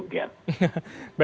makan sinang dengan duduk